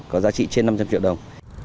có giá trị trên năm trăm linh triệu đồng